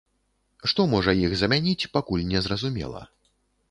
Што можа іх замяніць, пакуль незразумела.